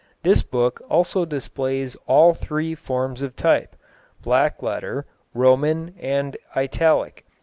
This book also displays all three forms of type black letter, Roman, and Italic.